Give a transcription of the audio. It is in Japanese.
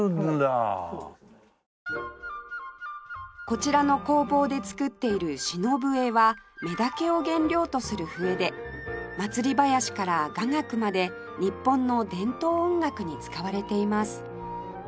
こちらの工房で作っている篠笛はメダケを原料とする笛で祭り囃子から雅楽まで日本の伝統音楽に使われています